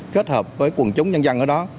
kết hợp với quần chúng nhân dân ở đó